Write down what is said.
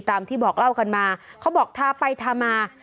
ตามที่บอกเล่ากันมาเขาบอกทาไปทามา